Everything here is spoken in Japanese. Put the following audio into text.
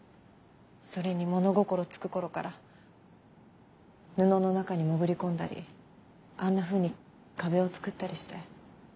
それに物心つく頃から布の中に潜り込んだりあんなふうに壁を作ったりして。